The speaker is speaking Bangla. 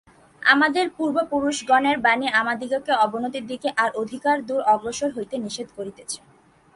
আমাদের পূর্বপুরুষগণের বাণী আমাদিগকে অবনতির দিকে আর অধিকদূর অগ্রসর হইতে নিষেধ করিতেছে।